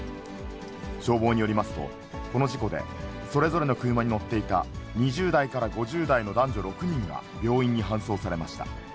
消防によりますと、この事故で、それぞれの車に乗っていた２０代から５０代の男女６人が病院に搬送されました。